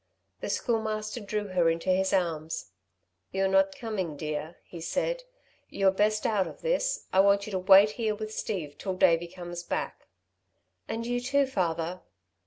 The Schoolmaster drew her into his arms. "You're not coming, dear," he said. "You're best out of this. I want you to wait here with Steve till Davey comes back." "And you too, father?"